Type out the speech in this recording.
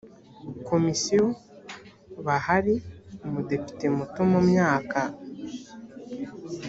komisiyo bahari umudepite muto mu myaka